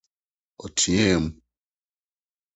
Ɔteɛɛm.